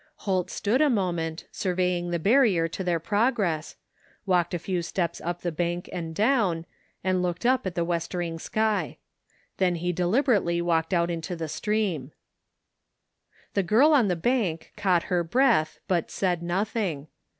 Holt stood a moment, surveying the barrier to their progress, walked a few steps up the bank and down, and looked up at the westering sky. Then he deliber ately walked out into the stream. The girl on the bank caught her breath but said nothing.